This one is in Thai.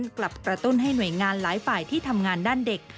กลับกระตุ้นให้หน่วยงานหลายฝ่ายที่ทำงานด้านเด็ก